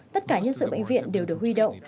tất cả nhân sự bệnh viện đều được huy động